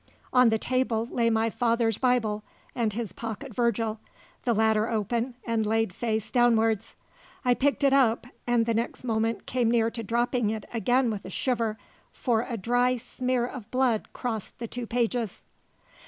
On the table lay my father's Bible and his pocket Virgil, the latter open and laid face downwards. I picked it up, and the next moment came near to dropping it again with a shiver, for a dry smear of blood crossed the two pages.